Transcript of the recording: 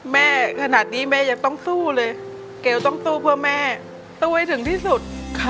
แม่ขนาดนี้แม่ยังต้องสู้เลยเกลต้องสู้เพื่อแม่สู้ให้ถึงที่สุด